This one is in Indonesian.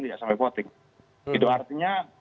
tidak sampai voting itu artinya